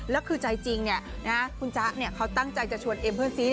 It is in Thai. แล้วคือใจจริงคุณจ๊ะเขาตั้งใจจะชวนเอ็มเพื่อนซี